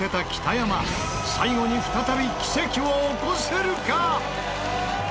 最後に再び奇跡を起こせるか？